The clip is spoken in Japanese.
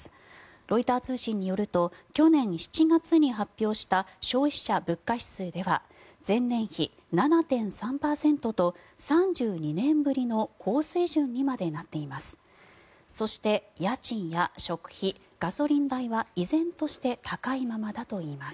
ロイター通信によると去年７月に発表した消費者物価指数では前年比７．３％と３２年ぶりの高水準にまでなっています。